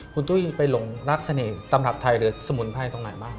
คุณตุ้ยไปหลงรักเสน่ห์ตำรับไทยหรือสมุนไพรตรงไหนบ้าง